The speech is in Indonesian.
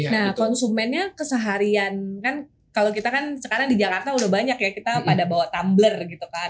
nah konsumennya keseharian kan kalau kita kan sekarang di jakarta udah banyak ya kita pada bawa tumbler gitu kan